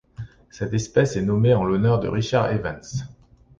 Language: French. Cette espèce est nommée en l'honneur de Richard Evans.